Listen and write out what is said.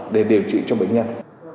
để điều trị cho bệnh nhân